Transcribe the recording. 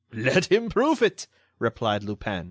"Let him prove it!" replied Lupin.